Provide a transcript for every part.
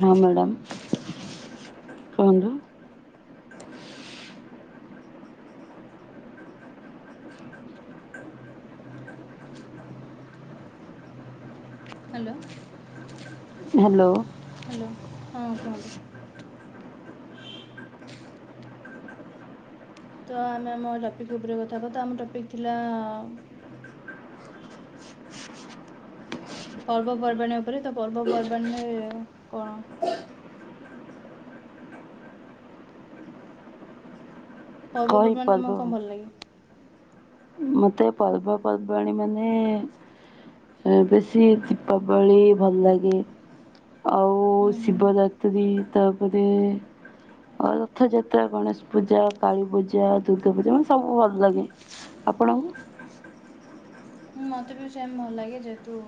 ହଁ ମ୍ୟାଡ଼ାମ କୁହନ୍ତୁ। Hello. Hello. Hello. ହୁଁ କୁହନ୍ତୁ। ତ ଆମେ ଆମ ଟପିକ୍ ଉପରେ କଥା ହେବା ତ ଆମ ଟପିକ୍ ଥିଲା। ପର୍ବପର୍ବାଣୀ ଉପରେ ତ ପର୍ବପର୍ବାଣୀରେ କଣ? କହି ପର୍ବପର୍ବାଣି ତମକୁ କଣ ଭଲ ଲାଗେ? ମୋତେ ପର୍ବପର୍ବାଣୀ ମାନେ ମାନେ ବେଶୀ ଦୀପାବଳି ଭଲ ଲାଗେ। ଆଉ ହୁଁ ହୁଁ ଶିବଯରାତ୍ରୀ ତାପରେ ରଥଯାତ୍ରା, ଗଣେଶ ପୂଜା, କାଳୀପୂଜା, ଦୁର୍ଗାପୂଜା ମାନେ ସବୁ ଭଲ ଲାଗେ। ଆପଣଙ୍କୁ। ମତେ ବି ସେମ ଭଲ ଲାଗେ ଯେହେତୁ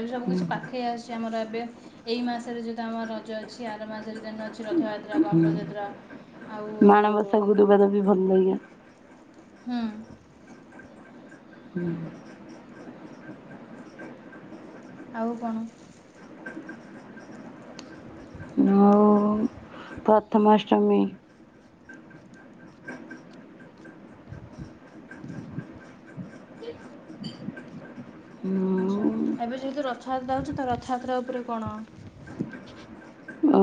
ଏବେ ସବୁ କିଛି ପାଖେଇ ଆସଛି। ଆମର ଏବେ ଏଇ ମାସରେ ଯଦି ଆମର ରଜ ଅଛି। ଆର ମାସରେ ଦେନ୍ ଅଛି ରଥ ଯା ହୁଁ। ମାଣବସା ଗୁରୁବାର ବି ଭଲ ଲାଗିବ। ହୁଁ। ହୁଁ। ଆଉ କଣ ଆଉ ପ୍ରଥମାଷ୍ଟମୀ ଆଚ୍ଛା ଏବେ ଯେହେତୁ ରଥଯାତ୍ରା ହେଉଛି ତ ରଥଯାତ୍ରା ଉପରେ କଣ ଓ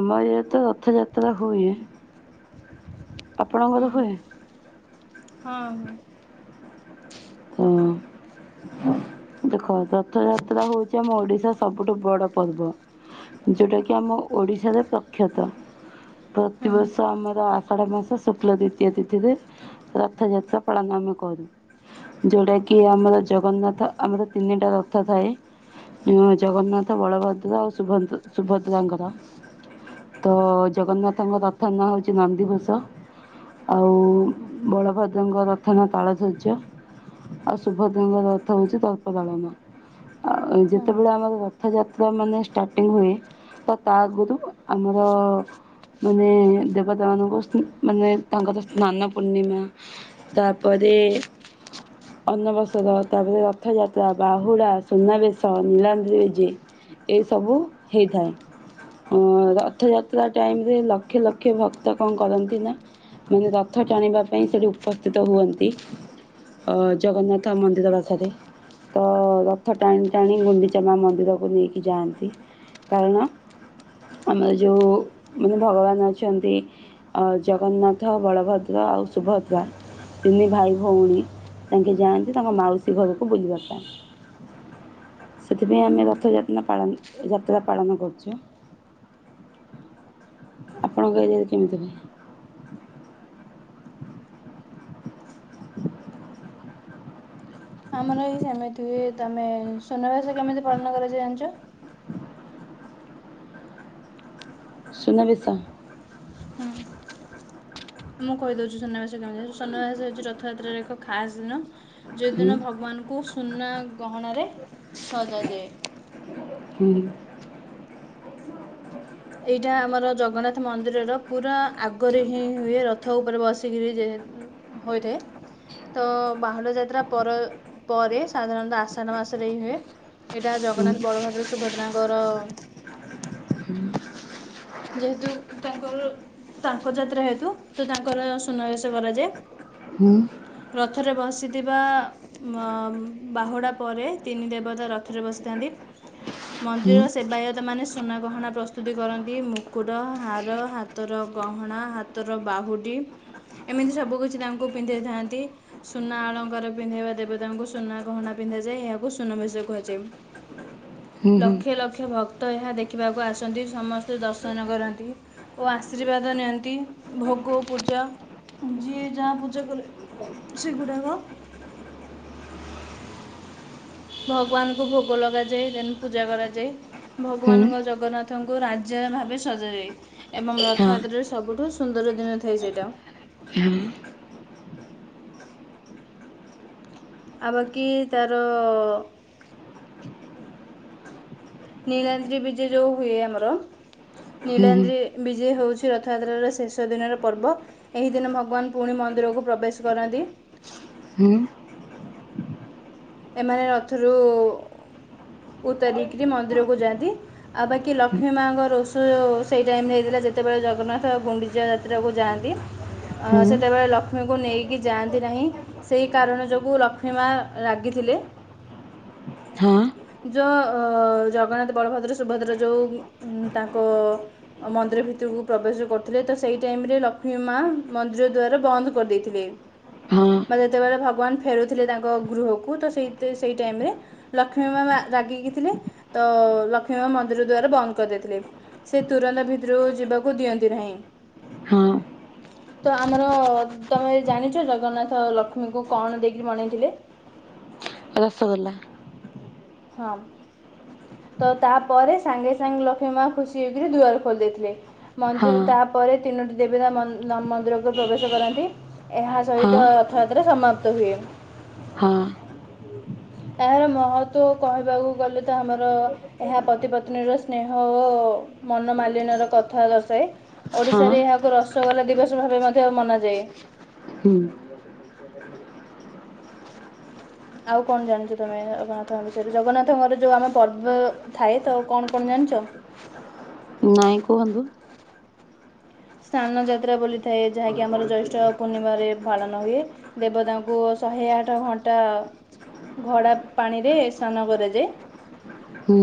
ଆମ ଇଆଡ଼େ ତ ରଥଯାତ୍ରା ହୁଏ ହୁଁ ଆପଣଙ୍କର ହୁଏ ହଁ ହଁ କଣ ହଁ ଦେଖ ରଥଯାତ୍ରା ହେଉଛି ଆମ ଓଡ଼ିଶା ସବୁଠୁ ବଡ଼ ପର୍ବ ଯୋଉଟା କି ଆମ ଓଡ଼ିଶାରେ ପ୍ରଖ୍ୟାତ ହୁଁ ପ୍ରତିବର୍ଷ ଆମର ଆଷାଢ଼ ମାସ ଶୁକ୍ଳ ଦ୍ୱିତୀୟା ତିଥିରେ ରଥଯାତ୍ରା ପାଳନ ଆମେ କରୁ ଯୋଉଟା କି ଆମର ଜଗନ୍ନାଥ ଆମର ତିନିଟା ରଥ ଥାଏ ଜଗନ୍ନାଥ ବଳଭଦ୍ର ଆଉ ସୁଭଦ୍ରାଙ୍କର ତ ଜଗନ୍ନାଥଙ୍କ ରଥ ନାଁ ହଉଛି ନନ୍ଦିଘୋଷ ଆଉ ବଳଭଦ୍ରଙ୍କ ରଥନା ତାଳଧ୍ଵଜ ଆଉ ଶୁଭଦ୍ରା ଙ୍କର ରଥ ହଉଛି ଦଶ ଦଳନ ଆଉ ହୁଁ ଯେତେବେଳେ ଆମର ରଥଯାତ୍ରା ମାନେ ଷ୍ଟାର୍ଟିଙ୍ଗି ହୁଏ ତ ତା ଆଗରୁ ଆମର ମାନେ ଦେବତା ମାନଙ୍କୁ ମାନଙ୍କୁ ତାଙ୍କର ସ୍ନାନ ପୂର୍ଣ୍ଣିମା ତାପରେ ଅନ୍ନବସତ ତାପରେ ର ରଥଯାତ୍ରା ବାହୁଡ଼ା ସୁନାବେଶ ନୀଳାଦ୍ରି ବିଜେ ଏ ସବୁ ହେଇଥାଏ ରଥଯାତ୍ରା ଟାଇମିରେ ଲକ୍ଷ ଲକ୍ଷ ଭକ୍ତ କଣ କରନ୍ତି ନା ମାନେ ରଥ ଟାଣିବା ପାଇଁ ସେଇଠି ଉପସ୍ଥିତ ହୁଅନ୍ତି ଅ ଜଗନ୍ନାଥ ମନ୍ଦିର ପାଖରେ ତ ରଥ ଟାଣି ଟାଣି ଗୁଣ୍ଡିଚା ମା ମନ୍ଦିରକୁ ନେଇକି ଯାଆନ୍ତି କାରଣ ଆମର ଯେଉଁ ମାନେ ଭଗବାନ୍ ଅଛନ୍ତି ଜଗନ୍ନାଥ ବଳଭଦ୍ର ଆଉ ସୁଭଦ୍ରା ତିନି ଭାଇ ଭଉଣୀ ତାଙ୍କେ ଯାଆନ୍ତି ତାଙ୍କ ମାଉସୀ ଘରକୁ ବୁଲିବା ପାଇଁ ସେଥିପାଇଁ ହୁଁ ହୁଁ ଆମେ ରଥ ଯାତ୍ରା ପାଳନ ଯାତ୍ରା ପାଳନ କରୁଛେ ହୁ ଆପଣଙ୍କ ଏରିଆରେ କେମିତି ହୁଏ ହୁ ହୁ ଆମର ଏଇ ସେମିତି ହୁଏ ତମେ ସୁ୍ନାବେସ କେମିତି ପାଳନ କରାଯାଏ ଜାଣିଛ ସୁନାବେଶ ହୁଁ ମୁଁ କହିଦେଉଛି ସୁନାବେସ କେମତି ସୁନାବେସ ହେଉଛି ରଥଯାତ୍ରାର ଏକ ଖାସ୍ ଦିନ ହୁଁ ଯେଉଁଦିନ ଭଗବାନଙ୍କୁ ସୁନା ଗହଣାରେ ସଜାଯାଏ ହୁଁ ଏଇଟା ଆମର ଜଗନ୍ନାଥ ମନ୍ଦିରର ପୁରା ଆଗରେ ହିଁ ହୁଏ ରଥ ଉପରେ ବସିକି ହୋଇଥାଏ ତ ବାହୁଡ଼ା ଯାତ୍ରା ପର ପରେ ସାଧାରଣତଃ ଆଷାଢ଼ ମାସରେ ହିଁ ହୁଏ ଏଇଟା ହୁଁ ଜଗନ୍ନାଥ ବଳଭଦ୍ର ସୁଭଦ୍ରାଙ୍କର ହୁଁ ଯେହେତୁ ତାଙ୍କର ତାଙ୍କ ଯାତ୍ରା ହେତୁ ତ ତାଙ୍କର ସୁନାବେସ କରାଯାଏ ହୁଁ ରଥରେ ବସିଥିବା ମ ବାହୁଡ଼ା ପରେ ତିନି ଦେବତା ରଥରେ ବସିଥାନ୍ତି। ହୁଁ ମନ୍ଦିରର ସେବାୟତମାନେ ସୁନା ଗହଣା ପ୍ରସ୍ତୁତି କର ନ୍ତି, ମୁକୁଟ, ହାର, ହାତର ଗହଣା, ହାତର ବାହୁଟି ଏମିତି ସବୁ କିଛି ତାଙ୍କୁ ପିନ୍ଧେଇଥାନ୍ତି। ସୁନା ଅଳଙ୍କାର ପିନ୍ଧେଇବା ଦେବତାଙ୍କୁ ସୁନା ଗହଣା ପିନ୍ଧାଯାଏ। ଏହାକୁ ସୁନାବେଶ କୁହାଯାଏ। ହୁଁ ହୁଁ ଲକ୍ଷ ଲକ୍ଷ ଭକ୍ତ ଏହା ଦେଖିବାକୁ ଆସନ୍ତି। ସମ ସ୍ତେ ଦର୍ଶନ କରନ୍ତି ଓ ଆଶୀର୍ବାଦ ନିଅନ୍ତି। ଭୋଗ ପୂଜା ଯିଏ ଯାହା ପୂଜା କଲେ ସେଗୁଡାକ ଭଗବାନଙ୍କୁ ଭୋଗ ଲଗାଯାଏ, ଦେନ୍ ପୂଜା କରାଯାଏ। ହୁଁ ଭଗବାନଙ୍କ ଜଗନ୍ନାଥଙ୍କୁ ରାଜା ଭାବେ ସଜାଯାଏ। ଏବଂ ହଁ ରଥଯାତ୍ରାରେ ସବୁଠୁ ସୁନ୍ଦର ଦିନ ଥାଏ ସେଇଟା। ହୁଁ। ଆଉ ବାକି ତାର ନୀଳନ୍ଦ୍ରି ବିଜେ ଯଉ ହୁଏ ଆମର, ହୁଁ ହୁଁ ନୀଳାନ୍ଦ୍ରି ବିଜେ ହେଉଚି ରଥଯାତ୍ରାର ଶେଷ ଦିନର ପର୍ବ। ଏହି ଦିନ ଭଗବାନ ପୁଣି ମନ୍ଦିରକୁ ପ୍ରବେଶ କରନ୍ତି। ହୁଁ। ଏମାନେ ରଥରୁ ଉତାରିକିରି ମନ୍ଦିରକୁ ଯାଆନ୍ତି। ଆଉ ବାକି ଲକ୍ଷ୍ମୀ ମାଆଙ୍କ ରୋଷ ସେଇ ଟାଇମ୍ ରେ ହେଇଥିଲା ଯେତେବେଳେ ଜଗନ୍ନାଥ ଆଉ ଗୁଣ୍ଡିଚା ଯା ଯାଆନ୍ତି। ସେତେବେଳେ ଲକ୍ଷ୍ମୀଙ୍କୁ ନେଇକି ଯାଆନ୍ତି ନାହିଁ। ସେହି କାରଣ ଯୋଗୁଁ ଲକ୍ଷ୍ମୀ ମା ରାଗିଥିଲେ। ହଁ। ଯୋ ଜଗନ୍ନାଥ, ବଳଭଦ୍ର, ସୁଭଦ୍ରା ଯୋଉଁ ତାଙ୍କ ମନ୍ଦିର ଭିତରକୁ ପ୍ରବେଶ କରୁଥିଲେ, ତ ସେଇ ଟାଇମ୍ ରେ ଲକ୍ଷ୍ମୀ ମା ମନ୍ଦିର ଦ୍ୱାର ବନ୍ଦ କରିଦେଇ ଥିଲେ। ବା ଯେତେବେଳେ ଭଗବାନ ଫେରୁଥିଲେ ତାଙ୍କ ଗୃହକୁ ତ ସେ ସେଇ ଟାଇମ୍ ରେ ଲକ୍ଷ୍ମୀ ମା ମା ରାଗିକି ଥିଲେ, ତ ଲକ୍ଷ୍ମୀ ମା ମନ୍ଦିର ଦ୍ଵାରା ବନ୍ଦ କରିଦେଇଥିଲେ। ସେ ତୁରନ୍ତ ଭିତରୁକୁ ଯିବାକୁ ଦିଅନ୍ତି ନାହିଁ। ହଁ। ତ ଆମର ତମେ ଜାଣିଚ ଜଗନ୍ନାଥ ଲକ୍ଷ୍ମୀଙ୍କୁ କଣ ଦେଇକି ମଣେଇଥିଲେ? ରସଗୋଲା। ହଁ। ତ ତାପରେ ସାଙ୍ଗେ ସାଙ୍ଗେ ଲକ୍ଷ୍ମୀ ମା ଖୁସି ହେଇକିରି ଦୁଆର ଖୋଲି ଦେଇଥିଲେ। ମନ୍ଦିର ତାପରେ ତିନୋଟି ଦେବତା ମ ମନ୍ଦିରକୁ ପ୍ରବେଶ କରନ୍ତି। ଏହା ସହିତ ରଥଯାତ୍ରା ସମାପ୍ତ ହୁଏ। ହଁ। ଏହାର ମହତ୍ୱ କହିବାକୁ ଗଲେ ତ ଆମର ଏହା ପତି ପତ୍ନୀର ସ୍ନେହ ଓ ମନମାଳିନର କଥା ଦର୍ଶାଏ। ଓଡ଼ିଶାରେ ଏହାକୁ ରସଗୋଲା ଦିବସ ଭାବେ ମଧ୍ୟ ମନାଯାଏ। ହୁଁ। ଆଉ କଣ ଜାଣିଚ ତମେ ଜଗନ୍ନାଥଙ୍କ ବିଷୟରେ? ଜଗନ୍ନାଥଙ୍କର ଯୋଉ ଆମ ପର୍ବ ଥାଏ ତ କଣ କଣ ଜାଣିଚ? ନାଇଁ କୁହନ୍ତୁ। ସ୍ନାନ ଯାତ୍ରା ବୋଲି ଥାଏ। ଯାହାକି ଆମର ଜୈଷ୍ଠ ପୂର୍ଣ୍ଣିମାରେ ପାଳନ ହୁଏ। ଦେବତାଙ୍କୁ ଶହେ ଆଠ ଘଣ୍ଟା ଘଡ଼ା ପାଣି ରେ ସ୍ନାନ କରାଯାଏ। ହୁଁ।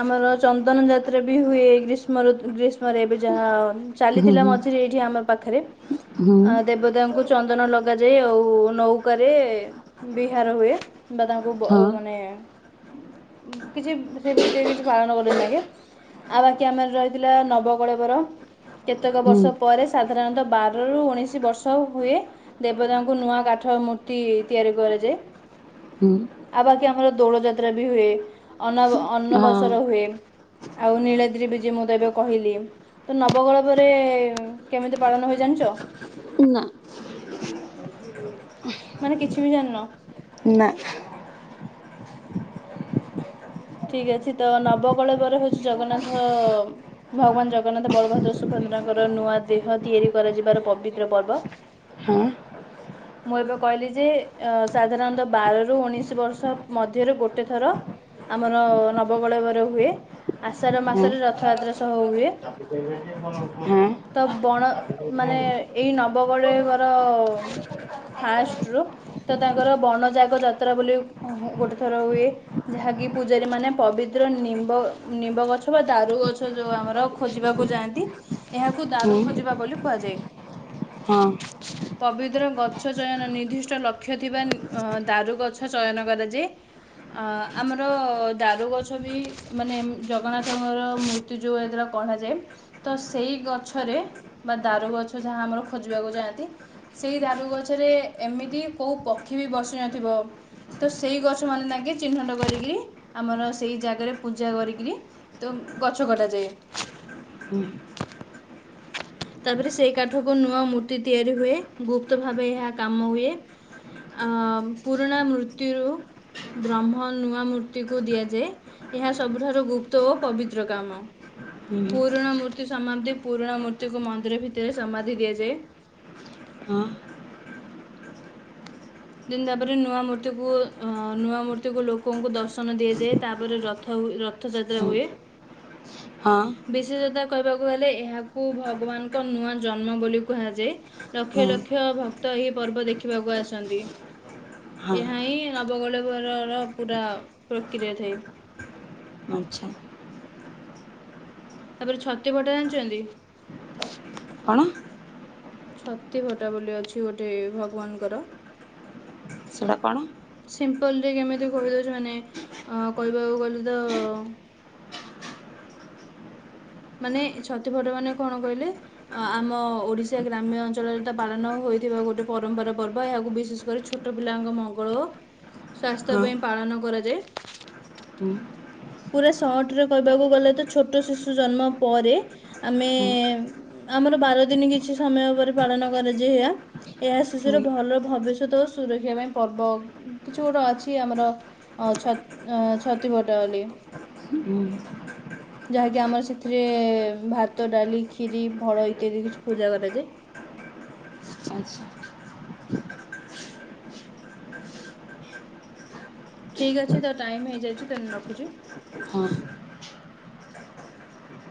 ଆମର ଚନ୍ଦନ ଯାତ୍ରା ବି ହୁଏ ଗ୍ରୀଷ୍ମ ଗ୍ରୀଷ୍ମରେ ଏବେ ଯାହା ଚାଲିଥିଲା ମଝିରେ ଏଇଠି ଆମ ପାଖରେ ଆ ଦେବତା ଙ୍କୁ ଚନ୍ଦନ ଲଗାଯାଇ ଆଉ ନୌକାରେ ବିହାର ହୁଏ ବା ତାଙ୍କୁ ମାନେ କିଛି ସେ ଭିତ୍ତିରେ କିଛି ପାଳନ କରନ୍ତି ତାଙ୍କେ। ଆଉ ବାକି ଆମର ରହିଥିଲା ନବକଳେବର। କେତେକ ବର୍ଷ ପରେ ସାଧାରଣତଃ ବାରରୁ ଉଣେଇସି ବର୍ଷ ହୁଏ। ଦେବତାଙ୍କୁ ନୂଆ କାଠ ମୂର୍ତ୍ତି ତିଆରି କରାଯାଏ। ହୁଁ। ଆଉ ବାକି ଆମର ଦୋଳ ଯାତ୍ରା ବି ହୁଏ, ଅନ ଅନବସର ହୁଏ। ଆଉ ନୀଳଦ୍ରି ବିଜେ ମୁଁ ତ ଏବେ କହିଲି। [unintelligible] କେମିତି ପାଳନ ହୁଏ ଜାଣିଛ? ମାନେ କିଛି ବି ଜାଣିନ। ନା। ଠିକ୍ ଅଛି ତ ନବକଳେବରେ ହେଉଛି ଜଗନ୍ନାଥ ଭଗବାନ ଜଗନ୍ନାଥ, ବଳଭଦ୍ର, ସୁଭଦ୍ରଙ୍କର ନୂଆ ଦେହ ତିଆରି କରାଯିବାର ପବିତ୍ର ପର୍ବ। ହଁ। [inaudible] ମୁଁ ଏବେ କହିଲି ଯେ ସାଧାରଣତଃ ବାରରୁ ଉଣେଇସି ବର୍ଷ ମଧ୍ୟରୁ ଗୋଟେ ଥର ଆମର ନବକଳେବର ହୁଏ, ଆଷାଢ଼ ମାସରେ ରଥଯାତ୍ରା ସହ ହୁଏ। ହଁ। ତ ବଣ ମାନେ ଏଇ ନବକଳେବର ଫାଷ୍ଟ ରୁ। ତ ତାଙ୍କର ବଣଯାଗ ଯାତ୍ରା ବୋଲି ଗୋଟେ ଥର ହୁଏ ଯାହାକି ପୂଜାରୀ ମାନେ ପବିତ୍ର ନିମ୍ବ ନିମ୍ବ ଗଛ ବା ଦାରୁଗଛ ଯୋଉ ଆମର ଖୋଜିବାକୁ ଯାଆନ୍ତି। ଏହାକୁ ଦାରୁ ଖୋଜିବା ବୋଲି କୁହାଯାଏ। ହଁ। [inaudible] ପବିତ୍ର ଗଛ ଚୟନ ନିର୍ଦ୍ଦିଷ୍ଟ ଲକ୍ଷ୍ୟ ଥିବା ଦାରୁଗଛ ଚୟନ କରାଯାଏ। ଆ ଆମ ଆମର ଦାରୁ ଗଛ ବି ମାନେ ଜଗନ୍ନାଥଙ୍କର ମୂର୍ତ୍ତୀ ଯୋଉ ଏ ଦାରା କରାଯାଏ। ତ ସେଇ ଗଛରେ ବା ଦାରୁ ଗଛ ଯାହା ଆମର ଖୋଜିବାକୁ ଯାଆନ୍ତି। ସେଇ ଦାରୁ ଗଛରେ ଏମିତି କୋଉ ପକ୍ଷୀ ବି ବସି ନଥିବ। ତ ସେଇ ଗଛ ମାନେ ତାଙ୍କେ ଚିହ୍ନଟ କରିକିରି ଆମର ସେଇ ଜାଗାରେ ପୂଜା କରିକିରି ତ ଗଛ କଟାଯାଏ। ହୁଁ। ତାପରେ ସେଇ କାଠକୁ ନୂଆ ମୂର୍ତ୍ତି ତିଆରି ହୁଏ, ଗୁପ୍ତ ଭାବେ ଏହା କାମ ହୁଏ। ଅ ପୁରୁଣା ମୂର୍ତ୍ତୀରୁ ବ୍ରହ୍ମ ନୂଆ ମୂର୍ତ୍ତିକୁ ଦିଆଯାଏ। ଏହା ସବୁଠାରୁ ଗୁପ୍ତ ଓ ପବିତ୍ର କାମ। ପୁରୁଣା ମୂର୍ତ୍ତି ସମାପ୍ତି ପୁରୁଣା ମୂର୍ତ୍ତିକୁ ମନ୍ଦିର ଭିତରେ ସମାଧି ଦିଆଯାଏ। ଦିନ୍ ତାପରେ ନୂଆ ମୂର୍ତ୍ତି କୁ ଅ ନୂଆ ମୂର୍ତ୍ତି କୁ ଲୋକଙ୍କୁ ଦର୍ଶନ ଦିଆଯାଏ ତାପରେ ରଥ ହୁ ର ରଥଯାତ୍ରା ହୁଏ। ହଁ। ବିଶେଷତା କହିବାକୁ ଗଲେ ଏହାକୁ ଭଗବାନଙ୍କ ନୂଆ ଜନ୍ମ ବୋଲି କୁହାଯାଏ। ଲକ୍ଷ ଲକ୍ଷ ଭକ୍ତ ଏହି ପର୍ବ ଦେଖିବାକୁ ଆସନ୍ତି। ଏହା ହିଁ ନବକଳେବରର ପୁରା ପ୍ରକ୍ରିୟା ଥାଏ। ଆଚ୍ଛା। ତାପରେ ଛତୀ ଭଟ ଜାଣିଚନ୍ତି? କଣ? ଛତି ଭଟା ବୋଲି ଅଛି ଗୋଟେ ଭଗବାନଙ୍କର। ସେଟା କଣ? ସିମ୍ପଲରେ କେମିତି କହିଦଉଚି ମାନେ ଅଁ କହିବାକୁ ଗଲେ ତ ମାନେ ଛତିଭଟ ମାନେ କଣ କହିଲେ? ଅ-ଆମ ଓଡିଶା ଗ୍ରାମ୍ୟ ଅଞ୍ଚଳରେ ଏଟା ପାଳନ ହୋଇଥିବା ଗୋଟେ ପରମ୍ପରା ପର୍ବ। ଏହାକୁ ବିଶେଷ କରି ଛୁ ଛୋଟ ପିଲାଙ୍କ ମଙ୍ଗଳ ଓ ସ୍ବାସ୍ଥ୍ୟ ହଁ ପାଇଁ ପାଳନ କରାଯାଏ। ହୁଁ ପୁରା ସଟ୍ ରେ କହିବାକୁ ଗଲେ ତ ଛୋଟ ଶିଶୁ ଜନ୍ମ ପରେ ଆମେ ହୁଁ ଆମର ବାର ଦିନି କିଛି ସମୟ ପରେ ପାଳନ କରାଯାଏ ଏହା। ଏହା ଶିଶୁର ହୋଇ ଭଲ ଭବିଷ୍ୟତ ଓ ସୁରକ୍ଷା ପାଇଁ ପର୍ବ କିଛି ଗୋଟେ ଅଛି ଆମର ହଉ ଛ-ଛତିଭଟବୋଲି। ହୁଁ। ଯାହାକି ଆମର ସେଥିରେ ଭାତ ଡାଲି ଖିରୀ ଫଳ ଇତ୍ୟାଦି କିଛି ପୂଜା କରାଯାଏ। ଆଚ୍ଛା। ଠିକ୍ ଅଛି ତ ଟାଇମ୍ ହେଇଯାଇଚି ତେଣୁ ରଖୁଚି। ହଁ